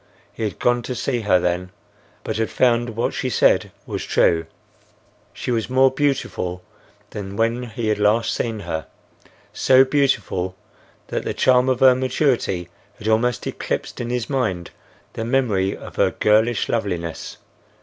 He had gone to see her then, but had found what she said was true. She was more beautiful than when he had last seen her—so beautiful that the charm of her maturity had almost eclipsed in his mind the memory of her girlish loveliness.